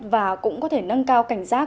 và cũng có thể nâng cao cảnh giác